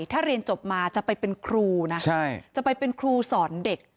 ถ้าเรียนจบมาจะไปเป็นครูนะจะไปเป็นครูสอนเด็ก